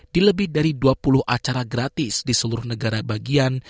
di lebih dari dua puluh acara gratis di seluruh negara bagian